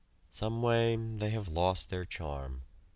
Someway, they have lost their charm.